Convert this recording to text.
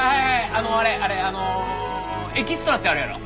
あのあれあのエキストラってあるやろ？